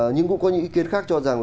nhưng cũng có những ý kiến khác cho rằng